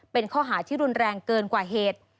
เป็นข้อหาที่รุนแรงเกินกว่าเหตุ